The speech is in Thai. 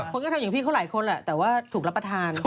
คนก็ทำอย่างพี่เขาหลายคนแหละแต่ว่าถูกรับประทาน